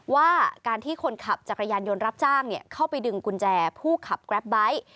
ว่าการที่คนขับจักรยานยนต์รับจ้างเข้าไปดึงกุญแจผู้ขับแกรปไบท์